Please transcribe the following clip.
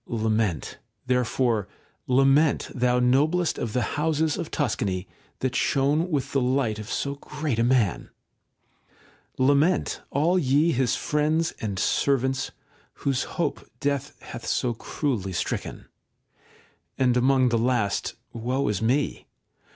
Lament, therefore, lament, thou noblest of the houses of Tuscany, that shone with the light of so great a man ! Lament, all ye his friends and servants, whose hope death hath so cruelly stricken ; and among the last, woe is me